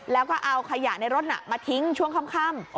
แล้วก็เอาขยะในรถมาทิ้งช่วงค่ำ